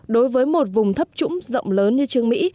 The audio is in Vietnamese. đối với một vùng thấp trũng rộng lớn như trương mỹ